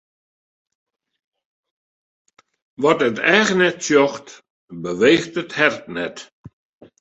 Wat it each net sjocht, beweecht it hert net.